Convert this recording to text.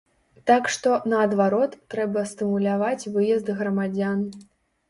Так што, наадварот, трэба стымуляваць выезд грамадзян.